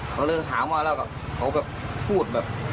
เราเลยถามว่าแล้วก็เขาก็พูดแบบ